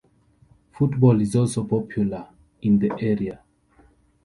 Football is also popular in the area.